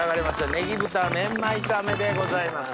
ネギ豚メンマ炒めでございます。